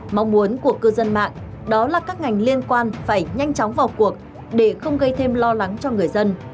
mong muốn của cư dân mạng đó là các ngành liên quan phải nhanh chóng vào cuộc để không gây thêm lo lắng cho người dân